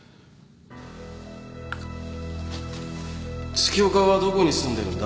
月岡はどこに住んでるんだ？